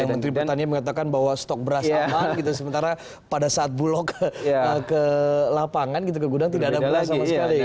menteri pertanian mengatakan bahwa stok beras aman gitu sementara pada saat bulog ke lapangan gitu ke gudang tidak ada beras sama sekali ya